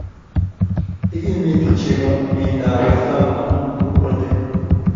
Ikimiti chego mieindatab borto amu ibu protein